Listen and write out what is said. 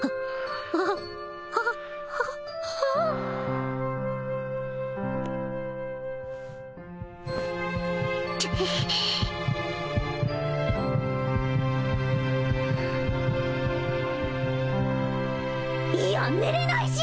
あああいや寝れないし！